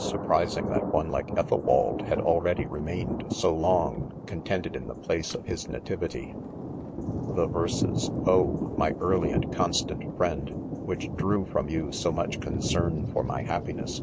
131 surprising that one like Ethelwald, had already remained so long, contented in the place of his nativity* 4 The verses, oh! my early and constant friend, which drew from you so much concern for my happiness